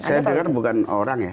saya dengar bukan orang ya